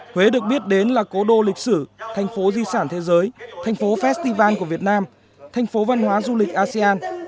huế được biết đến là cố đô lịch sử thành phố di sản thế giới thành phố festival của việt nam thành phố văn hóa du lịch asean